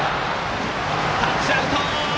タッチアウト！